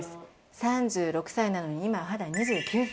３６歳なのに、今は肌２９歳。